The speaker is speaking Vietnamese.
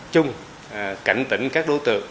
chung cảnh tỉnh các đối tượng